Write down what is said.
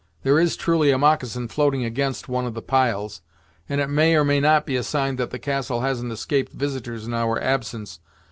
There is, truly, a moccasin floating against one of the piles, and it may or may not be a sign that the castle hasn't escaped visitors in our absence.